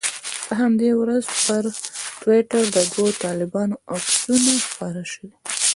په همدې ورځ پر ټویټر د دوو طالبانو عکسونه خپاره شوي.